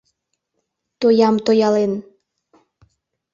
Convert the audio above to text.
Тоям тоялен.